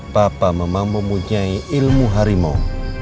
papa memang mempunyai ilmu harimau